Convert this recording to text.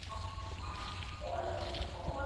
Mkurugenzi mkuu wa shirika hilo ni Tedros Adhanom